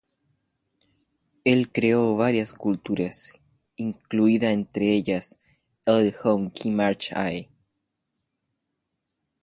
Él creó varias esculturas, incluida entre ellas, "L'Homme qui marche I".